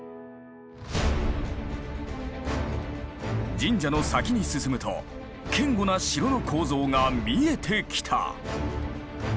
神社の先に進むと堅固な城の構造が見えてきた。